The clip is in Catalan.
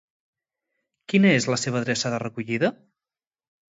Quina és la seva adreça de recollida?